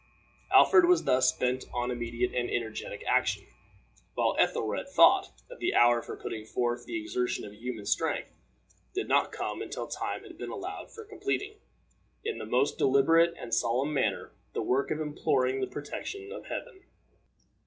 Alfred was thus bent on immediate and energetic action, while Ethelred thought that the hour for putting forth the exertion of human strength did not come until time had been allowed for completing, in the most deliberate and solemn manner, the work of imploring the protection of Heaven.